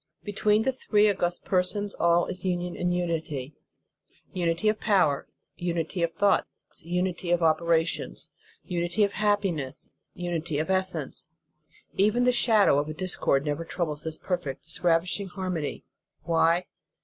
Be tween the three august Persons all is union and unity: unity of power, unity of thoughts, unity of operations, unity of happiness, unity of essence. Even the shadow of a discord never troubles this perfect, this ravishing harmony. Why?